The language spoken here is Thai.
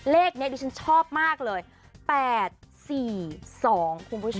เลขนี้ดิฉันชอบมากเลย๘๔๒คุณผู้ชม